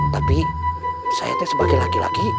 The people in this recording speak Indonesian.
tapi saya sebagai laki laki